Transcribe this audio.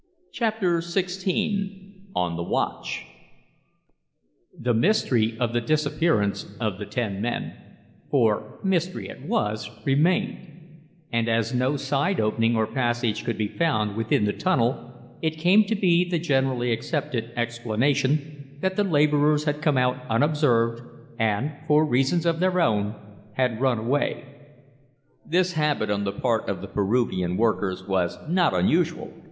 Chapter XVI On the Watch The mystery of the disappearance of the ten men for mystery it was remained, and as no side opening or passage could be found within the tunnel, it came to be the generally accepted explanation that the laborers had come out unobserved, and, for reasons of their own, had run away. This habit on the part of the Peruvian workers was not unusual.